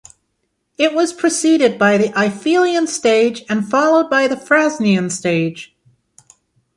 It was preceded by the Eifelian stage and followed by the Frasnian stage.